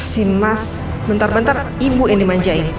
si mas bentar bentar ibu yang dimanjain